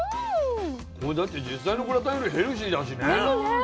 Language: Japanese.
これだって実際のグラタンよりヘルシーだしね。ですね。